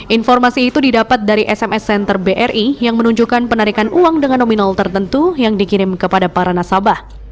informasi itu didapat dari sms center bri yang menunjukkan penarikan uang dengan nominal tertentu yang dikirim kepada para nasabah